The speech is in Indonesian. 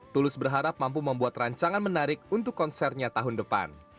tulus berharap mampu membuat rancangan menarik untuk konsernya tahun depan